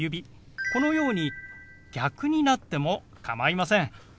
このように逆になっても構いません。